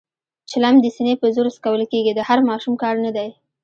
چلم د سینې په زور څکول کېږي، د هر ماشوم کار نه دی.